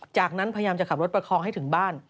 จากนั้นพยายามจะขับรถประคองให้ถึงบ้าน